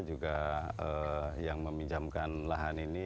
juga yang meminjamkan lahan ini